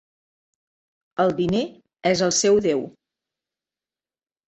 El diner és el seu déu.